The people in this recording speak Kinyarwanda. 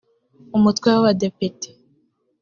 umutwe w’abadepite